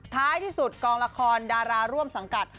ท้ายที่สุดกองละครดาราร่วมสังกัด